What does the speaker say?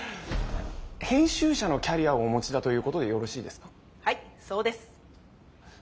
編集者のキャリアをお持ちだということでよろしいですか？